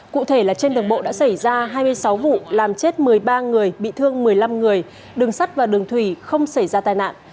cụ thể là trên đường bộ đã xảy ra hai mươi sáu vụ làm chết một mươi ba người bị thương một mươi năm người đường sắt và đường thủy không xảy ra tai nạn